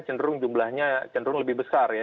cenderung jumlahnya cenderung lebih besar ya